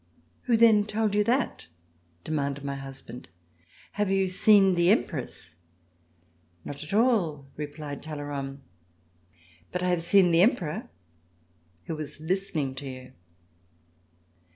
" Who then told you that ?" demanded my husband. "Have you seen the Empress.''" "Not at all," replied Talleyrand, "but I have seen the Emperor who was listening to you!"